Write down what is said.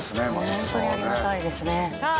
ホントにありがたいですねさあ